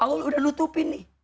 allah sudah menutupi ini